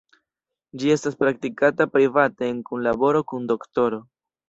Ĝi estas praktikata private en kunlaboro kun doktoro.